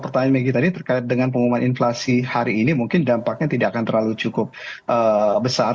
pertanyaan meggy tadi terkait dengan pengumuman inflasi hari ini mungkin dampaknya tidak akan terlalu cukup besar